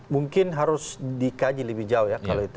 mungkin harus dikaji lebih jauh ya kalau itu